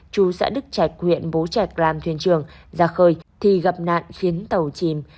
chú xã đức trạch huyện bố trạch làm thuyền trường ra khơi thì gặp nạn khiến tàu chìm